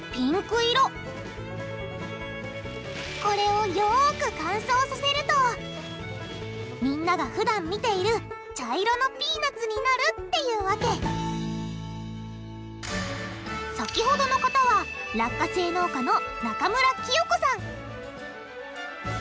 これをよく乾燥させるとみんながふだん見ている茶色のピーナツになるっていうわけ先ほどの方は落花生農家の中村喜代子さん